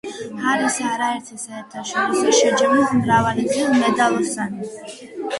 არის არაერთი საერთაშორისო შეჯიბრის მრავალგზის მედალოსანი.